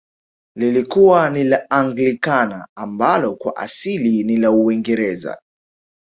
Lilikuwa ni la Anglikana ambalo kwa asili ni la uingereza